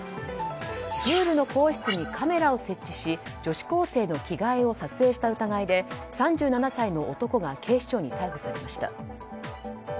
プールの更衣室にカメラを設置し女子高生の着替えを撮影した疑いで３７歳の男が警視庁に逮捕されました。